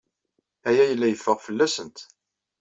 Aya yella yeffeɣ fell-asent.